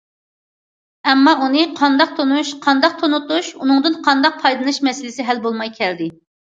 ئەمما ئۇنى قانداق تونۇش، قانداق تونۇتۇش، ئۇنىڭدىن قانداق پايدىلىنىش مەسىلىسى ھەل بولماي كەلدى.